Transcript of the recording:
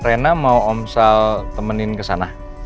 rina mau om sal temenin kesana